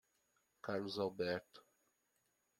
Carlos Alberto.